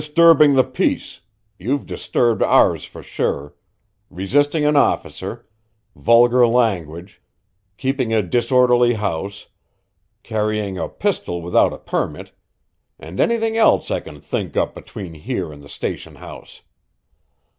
"Disturbing the peace you've disturbed ours for sure resisting an officer, vulgar language, keeping a disorderly house, carrying a pistol without a permit, and anything else I can think up between here and the station house.